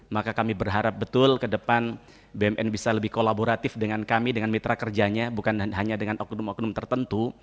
maka kami berharap betul ke depan bmn bisa lebih kolaboratif dengan kami dengan mitra kerjanya bukan hanya dengan oknum oknum tertentu